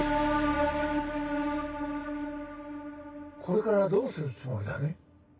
これからどうするつもりだね？